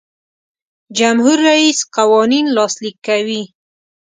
جمهور رئیس قوانین لاسلیک کوي.